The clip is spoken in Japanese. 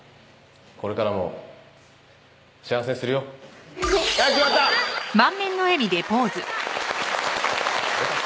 これからも幸せにするよ決まったよっ！